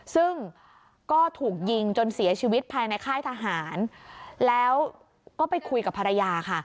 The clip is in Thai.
ซึ่งก็ถูกยิงจนเสียชีวิตภายในค่ายทหารแล้วก็ไปคุยกับภรรยาค่ะ